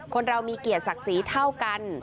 คนเรามีเกียรติศักดิ์ศรีเท่ากัน